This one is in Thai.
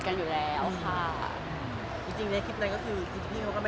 เอาเรื่องต่อไป